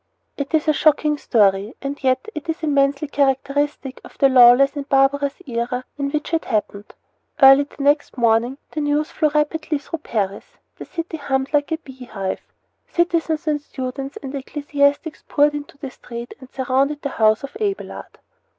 It is a shocking story, and yet it is intensely characteristic of the lawless and barbarous era in which it happened. Early the next morning the news flew rapidly through Paris. The city hummed like a bee hive. Citizens and students and ecclesiastics poured into the street and surrounded the house of Abelard.